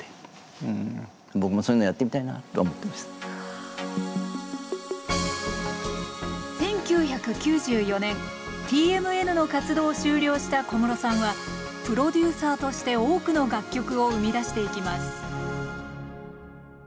当時当時は１９９４年ＴＭＮの活動を終了した小室さんはプロデューサーとして多くの楽曲を生み出していきます